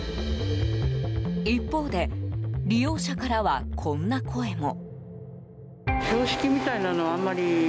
一方で利用者からはこんな声も。